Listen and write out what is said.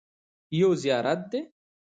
یو زیارت دی.